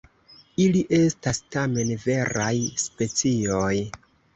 Ili estas tamen veraj specioj.